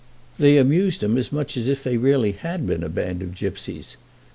They amused him as much as if they had really been a band of gipsies.